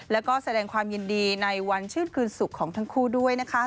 แล้วก็แสดงความยินดีในวันชื่นคืนสุขของทั้งคู่ด้วยนะคะ